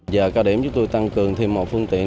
giờ cao điểm chúng tôi tăng cường thêm một phương tiện